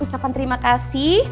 ucapan terima kasih